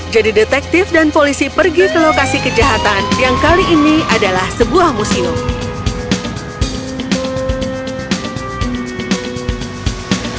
detektif dan polisi pergi ke lokasi kejahatan yang kali ini adalah sebuah museum